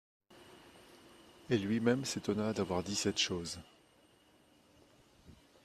Et lui-même s'étonna d'avoir dit cette chose.